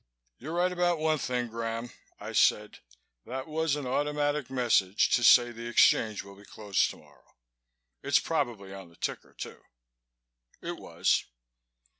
"You're right about one thing, Graham," I said. "That was an automatic message to say the Exchange will be closed tomorrow. It's probably on the ticker, too." It was.